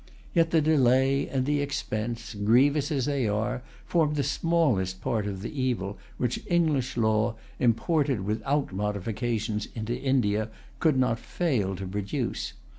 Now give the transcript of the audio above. Yet the delay and the expense, grievous as they are, form the smallest part of the evil which English law, imported without modifications into India, could not fail to produce.